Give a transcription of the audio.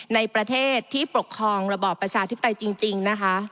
ในประเทศที่ปกครองระบอบประชาธิปไตยจริงนะคะ